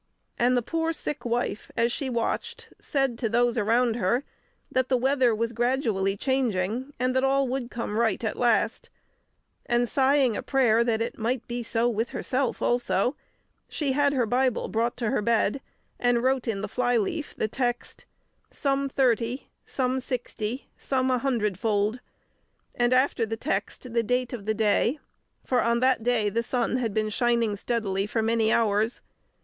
And the poor sick wife, as she watched, said to those around her that the weather was gradually changing, and that all would come right at last; and sighing a prayer that it might be so with herself also, she had her Bible brought to the bed, and wrote in the flyleaf the text, "Some thirty, some sixty, some an hundredfold"; and after the text the date of the day, for on that day the sun had been shining steadily for many hours.